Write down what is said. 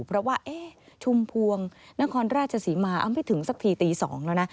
เพราะว่าชุมพวงนครราชศรีมาไม่ถึงสักทีตี๒แล้วนะ